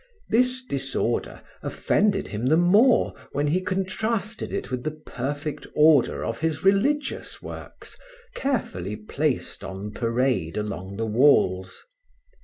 This disorder offended him the more when he contrasted it with the perfect order of his religious works, carefully placed on parade along the walls.